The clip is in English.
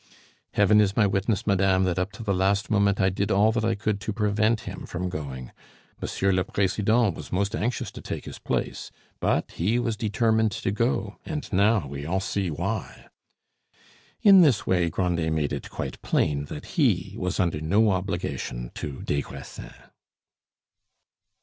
"Heaven is my witness, madame, that up to the last moment I did all I could to prevent him from going. Monsieur le president was most anxious to take his place; but he was determined to go, and now we all see why." In this way Grandet made it quite plain that he was under no obligation to des Grassins.